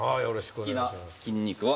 好きな筋肉は。